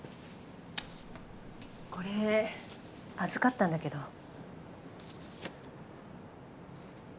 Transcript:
これ預かったんだけど。